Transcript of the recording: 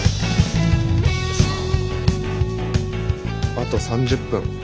あと３０分。